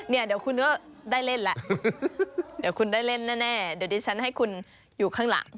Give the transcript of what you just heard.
เดี๋ยวคุณก็ได้เล่นแล้วเดี๋ยวคุณได้เล่นแน่เดี๋ยวดิฉันให้คุณอยู่ข้างหลัง